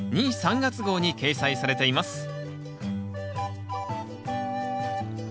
・３月号に掲載されています